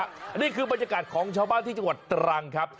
อันนี้คือบรรยากาศของชาวบ้านที่จังหวัดตรังครับ